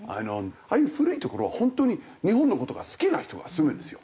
ああいう古い所は本当に日本の事が好きな人が住むんですよ。